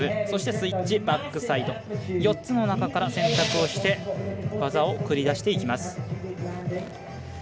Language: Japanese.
そして、スイッチバックサイド４つの中から選択をして技を繰り出してきます。